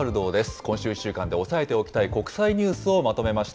今週１週間で押さえておきたい国際ニュースをまとめました。